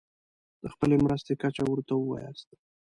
د خپلې مرستې کچه ورته ووایاست.